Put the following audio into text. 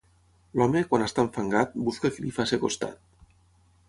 L'home, quan està enfangat, busca qui li faci costat.